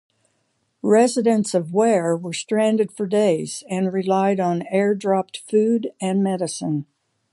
Residents of Ware were stranded for days and relied on air-dropped food and medicine.